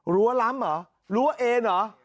รั้วล้ำเหรอรั้วเอ็นเหรอ